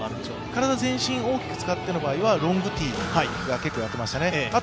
体全身大きく使っての場合はロングティーを結構やってましたね。